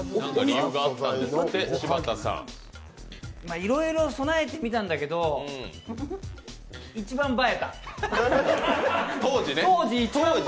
いろいろ供えてみたんだけど、一番映えた？